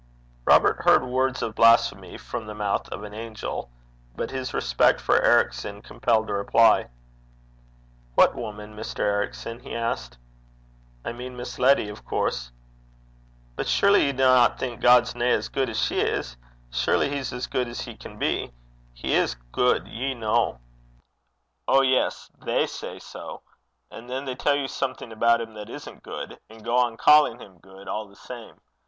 Robert heard words of blasphemy from the mouth of an angel, but his respect for Ericson compelled a reply. 'What woman, Mr. Ericson?' he asked. 'I mean Miss Letty, of course.' 'But surely ye dinna think God's nae as guid as she is? Surely he's as good as he can be. He is good, ye ken.' 'Oh, yes. They say so. And then they tell you something about him that isn't good, and go on calling him good all the same.